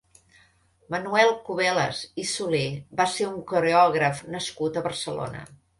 Manuel Cubeles i Solé va ser un coreògraf nascut a Barcelona.